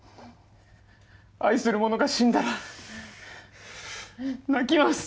愛するものが死んだら泣きます。